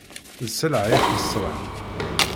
D sselɛa ixesren.